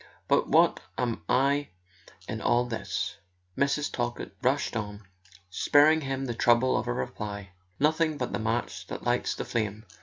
"But what am I in all this?" Mrs. Talkett rushed on, sparing him the trouble of a reply. "Nothing but the match that lights the flame!